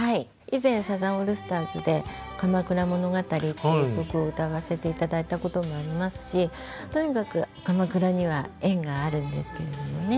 以前サザンオールスターズで「鎌倉物語」っていう曲を歌わせて頂いたこともありますしとにかく鎌倉には縁があるんですけれどもね。